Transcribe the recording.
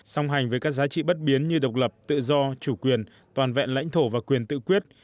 song hành với các giá trị bất biến như độc lập tự do chủ quyền toàn vẹn lãnh thổ và quyền tự quyết